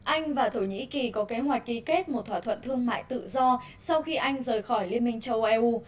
anh và thổ nhĩ kỳ có kế hoạch ký kết một thỏa thuận thương mại tự do sau khi anh rời khỏi liên minh châu âu eu